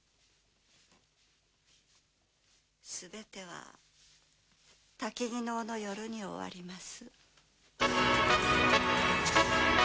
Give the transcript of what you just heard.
すべては薪能の夜に終わります。